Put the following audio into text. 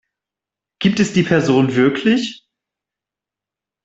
Gibt es die Person wirklich?